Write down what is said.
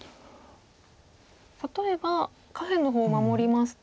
例えば下辺の方守りますと。